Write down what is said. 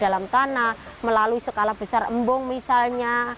dalam tanah melalui skala besar embung misalnya